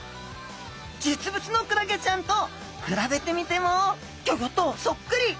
実物のクラゲちゃんと比べてみてもギョギョッとソックリ！